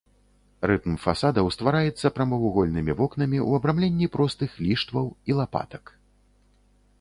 Рытм фасадаў ствараецца прамавугольнымі вокнамі ў абрамленні простых ліштваў і лапатак.